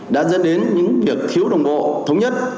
đã dẫn đến những việc thiếu đồng bộ thống nhất